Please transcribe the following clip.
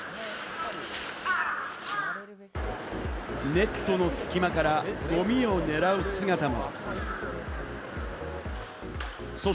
ネットの隙間からゴミも狙う姿も。